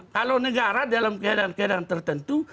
kalau negara dalam keadaan keadaan tertentu